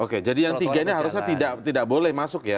oke jadi yang tiga ini harusnya tidak boleh masuk ya